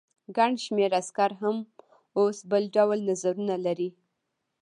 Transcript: ګڼ شمېر عسکر هم اوس بل ډول نظرونه لري.